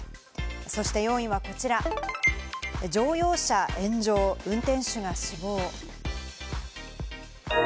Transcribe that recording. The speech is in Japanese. そして４位はこちら、乗用車炎上、運転手が死亡。